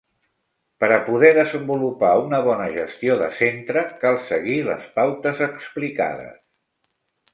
Per a poder desenvolupar una bona gestió de centre cal seguir les pautes explicades.